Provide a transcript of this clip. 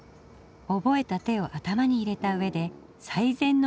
覚えた手を頭に入れた上で最善の一手を選ぶのです。